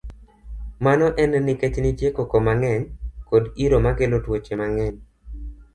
Mano en nikech nitie koko mang'eny kod iro makelo tuoche mang'eny.